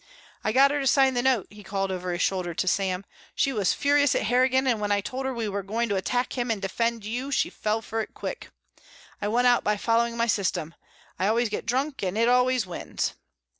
"I got her to sign the note," he called over his shoulder to Sam. "She was furious at Harrigan and when I told her we were going to attack him and defend you she fell for it quick. I won out by following my system. I always get drunk and it always wins."